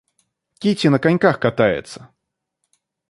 Кити на коньках катается.